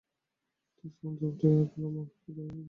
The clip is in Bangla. থিস এবং জফরি, আর পালোমাও থাকবে।